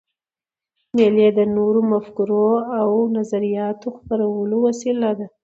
مېلې د نوو مفکورو او نظریاتو خپرولو وسیله ده.